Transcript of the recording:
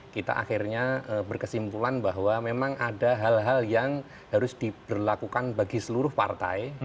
kita akhirnya berkesimpulan bahwa memang ada hal hal yang harus diberlakukan bagi seluruh partai